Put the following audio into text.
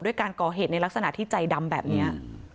การก่อเหตุในลักษณะที่ใจดำแบบนี้